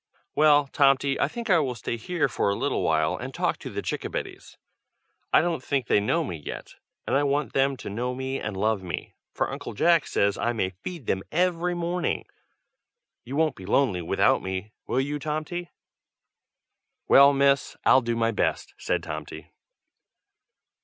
"Well, Tomty, I think I will stay here for a little while and talk to the chickabiddies. I don't think they know me yet, and I want them to know me and love me, for Uncle Jack says I may feed them every morning. You won't be lonely without me, will you, Tomty?" "Well, Miss, I'll do my best!" said Tomty.